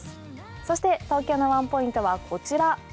そして東京のワンポイントはこちら。